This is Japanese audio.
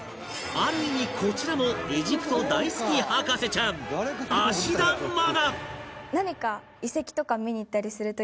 ある意味こちらもエジプト大好き博士ちゃん芦田愛菜！